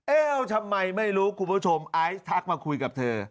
เอ๊ะทำไมไม่รู้คุณผู้ชมไอซ์ทักมาคุยกับเธอ